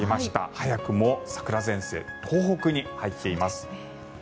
早くも桜前線東北に入っています。